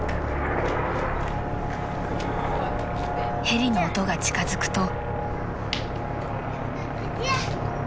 ・［ヘリの音が近づくと］